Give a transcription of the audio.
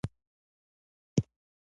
خو د ښځې تجارت يواځې د ښځېتوب له مخې.